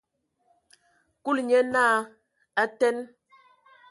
Kulu nye naa: A teen!